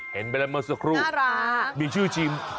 เห็นไปแล้วเมื่อสักครู่น่ารัก